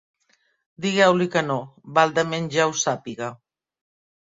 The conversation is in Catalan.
Digueu-li que no, baldament ja ho sàpiga.